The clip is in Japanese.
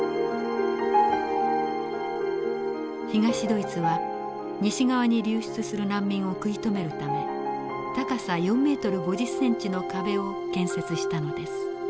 東ドイツは西側に流出する難民を食い止めるため高さ４メートル５０センチの壁を建設したのです。